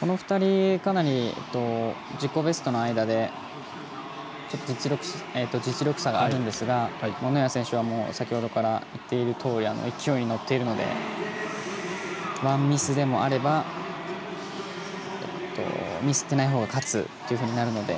この２人かなり自己ベストの間で実力差があるんですがノヤ選手は先ほどから言っているとおり勢いに乗っているのでワンミスでもあればミスってない方が勝つというふうになるので。